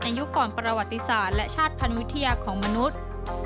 ยุคก่อนประวัติศาสตร์และชาติภัณฑ์วิทยาของมนุษย์